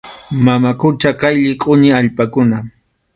Mama qucha qaylla qʼuñi allpakuna.